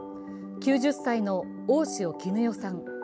９０歳の大塩衣与さん。